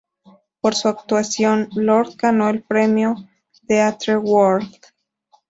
Por su actuación, Lord ganó el Premio Theatre World.